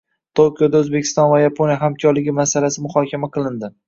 Tokioda O‘zbekiston va Yaponiya hamkorligi masalasi muhokama qilindi